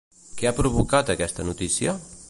Què ha provocat aquesta notícia?